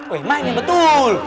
wih mainnya betul